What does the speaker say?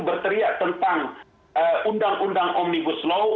berteriak tentang undang undang omnibus law